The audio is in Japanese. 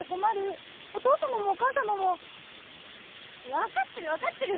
分かってる分かってる。